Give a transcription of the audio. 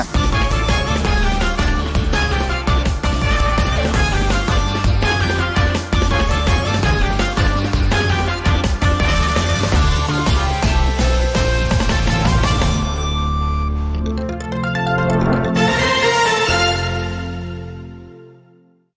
สวัสดีครับ